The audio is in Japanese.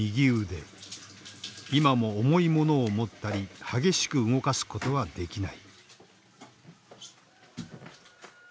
今も重いものを持ったり激しく動かすことはできない。